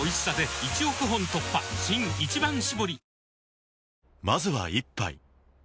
新「一番搾り」